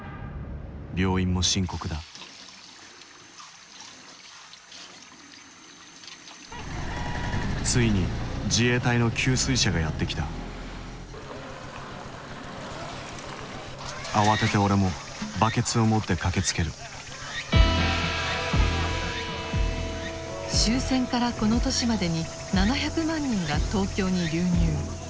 病院も深刻だついに自衛隊の給水車がやって来た慌てて俺もバケツを持って駆けつける終戦からこの年までに７００万人が東京に流入。